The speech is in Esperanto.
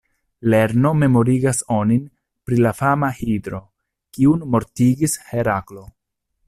Lerno memorigas onin pri la fama Hidro, kiun mortigis Heraklo.